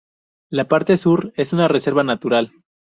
La parte sur es una reserva natural.